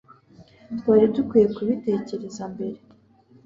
twari dukwiye kubitekereza mbere